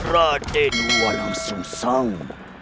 raden walang suncak